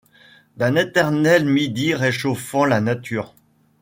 D’un éternel midi réchauffant la nature